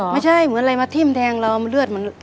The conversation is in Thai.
ไม่ใช่เหมือนอะไรมาทิ้มแทงเราเลือดมัน